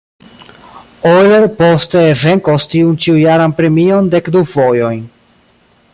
Euler poste venkos tiun ĉiujaran premion dekdu fojojn.